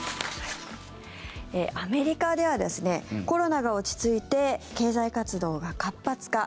アメリカではコロナが落ち着いて経済活動が活発化。